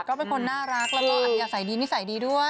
ก็เป็นคนน่ารักแล้วก็อันนี้อะใสดีด้วย